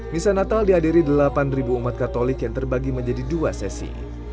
misa natal dihadiri delapan umat katolik yang terbagi menjadi dua sesi